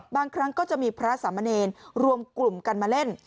บางครั้งก็จะมีพระสามเณรรวมกลุ่มกันมาเล่น